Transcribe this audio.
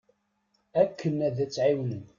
Akken ad tt-ɛiwnen.